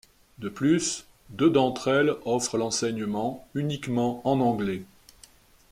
De plus, deux d'entre elles offrent l'enseignement uniquement en anglais.